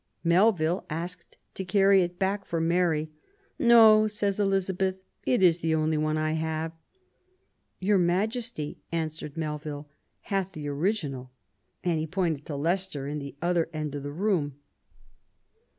Melville asked to carry it back for Mary. No," said Elizabeth, " it is the only one I have. Your Majesty,'* answered PROBLEMS OF THE REIGN. 85 Melville, "hath the original," and he pointed to Leicester, in the other end of the room.